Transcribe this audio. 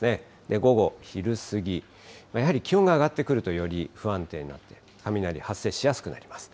午後、昼過ぎ、やはり気温が上がってくると、より不安定になって雷発生しやすくなります。